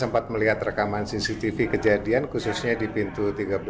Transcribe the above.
sempat melihat rekaman cctv kejadian khususnya di pintu tiga belas